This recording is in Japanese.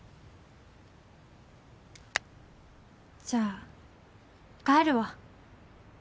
じゃあ帰るわ